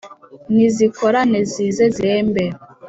nizikorane zize zirembe